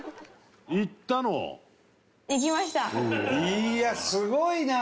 いやすごいなあ！